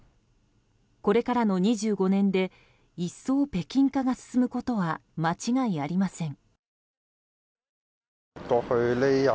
これからの２５年間で一層、北京化が進むことは間違いありません。